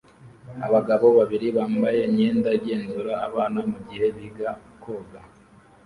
Abagabo babiri bambaye imyenda igenzura abana mugihe biga koga